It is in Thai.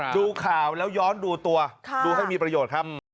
ดูข่าวแล้วย้อนดูตัวดูให้มีประโยชน์ครับ